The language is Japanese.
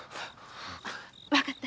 分かった。